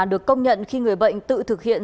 được công nhận khi người bệnh tự thực hiện